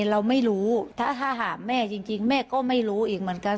เราไม่รู้ถ้าหากแม่จริงแม่ก็ไม่รู้อีกเหมือนกัน